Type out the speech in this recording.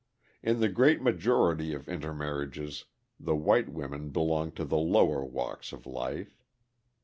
In the great majority of intermarriages the white women belong to the lower walks of life.